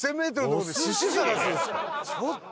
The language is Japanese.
ちょっと！